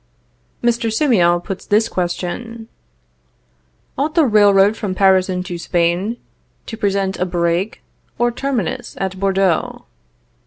Mr. Simiot puts this question: Ought the railroad from Paris into Spain to present a break or terminus at Bordeaux?